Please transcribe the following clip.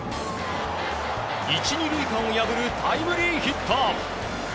１、２塁間を破るタイムリーヒット。